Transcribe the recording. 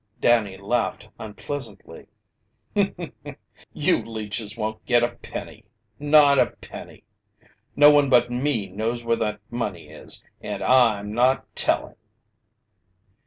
Danny laughed unpleasantly. "You leeches won't get a penny! Not a penny! No one but me knows where that money is, and I'm not telling!"